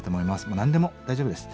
何でも大丈夫です。